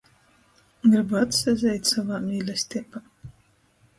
Grybu atsazeit sovā mīlesteibā!